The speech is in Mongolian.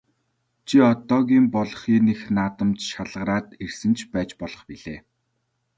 Чи одоогийн болох энэ их наадамд шалгараад ирсэн ч байж болох билээ.